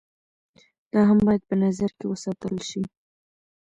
دا هم بايد په نظر کښې وساتلے شي